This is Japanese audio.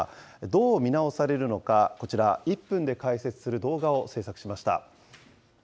どう見直されるのか、こちら、１分で解説する動画を制作しました。